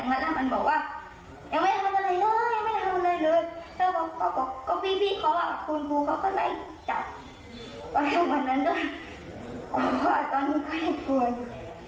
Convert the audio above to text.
ว่าตอนนี้ก็ให้กลัวอยู่